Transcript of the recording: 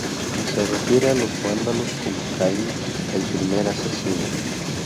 Se refiere a los vándalos como Caín el primer asesino.